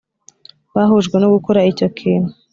bahujwe no gukora icyo kintu